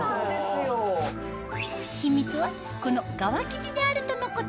秘密はこの側生地にあるとのこと